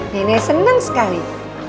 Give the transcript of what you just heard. nenek seneng sekali